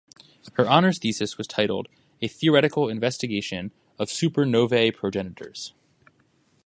Her honors thesis was titled "A Theoretical Investigation of Supernovae Progenitors".